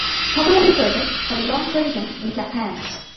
Popular literature has a long tradition in Japan.